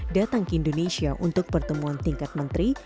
datang ke indonesia untuk pertemuan tingkat menteri